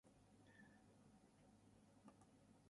Wood also authored non-technical works.